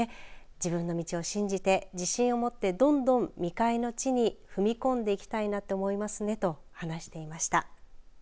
自分の道を信じて自信を持ってどんどん未開の地に踏み込んでいきたいなって思いますねと話していました。